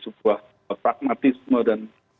sebuah pragmatisme dan